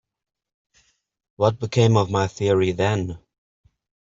What became of my theory then?